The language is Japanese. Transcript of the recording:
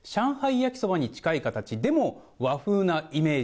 焼きそばに近いですが和風なイメージ。